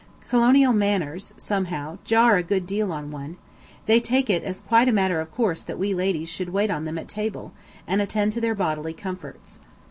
Colonial manners, somehow, jar a good deal on one; they take it quite as a matter of course that we ladies should wait on them at table, and attend to their bodily comforts.